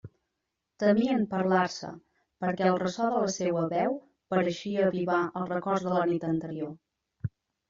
Temien parlar-se, perquè el ressò de la seua veu pareixia avivar els records de la nit anterior.